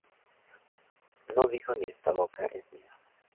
No dijo ni esta boca es mía